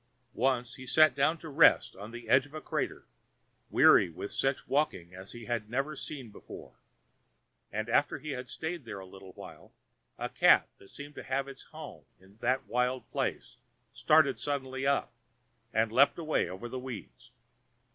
Once he sat down to rest on the edge of a crater, weary with such walking as he had never seen before; and after he had stayed there a little while a cat that seemed to have its home in that wild place started suddenly up and leaped away over the weeds.